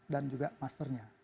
dan juga master nya